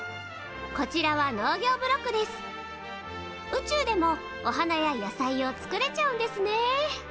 宇宙でもお花や野菜を作れちゃうんですね。